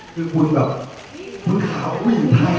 คือคุณแบบคุณขาวอุ้ยไทย